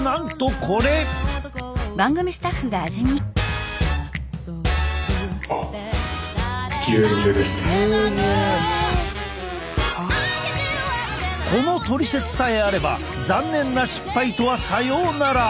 このトリセツさえあれば残念な失敗とはさようなら！